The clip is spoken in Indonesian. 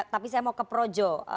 tapi saya mau ke projo